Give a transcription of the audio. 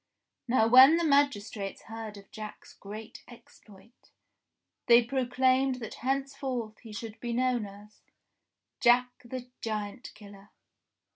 Now when the magistrates heard of Jack's great exploit, they proclaimed that henceforth he should be known as — JACK THE GIANT KILLER.